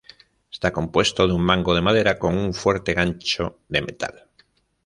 Está compuesto de un mango de madera con un fuerte gancho de metal.